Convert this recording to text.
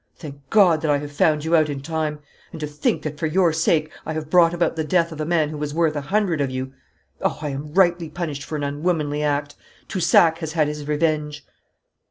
Thank God that I have found you out in time! And to think that for your sake I have brought about the death of a man who was worth a hundred of you! Oh, I am rightly punished for an unwomanly act. Toussac has had his revenge.'